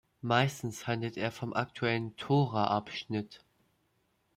Meistens handelt er vom aktuellen Tora-Abschnitt.